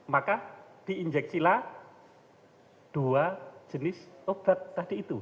maka diinjeksilah dua jenis obat tadi itu